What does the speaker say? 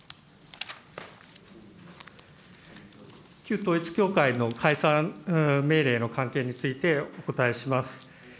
旧統一教会の解散命令の関係について、お答えします。